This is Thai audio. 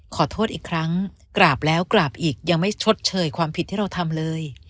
ขอโทษอีกครั้งกราบแล้วกราบอีกยังไม่ชดเชยความผิดที่เราทำเลย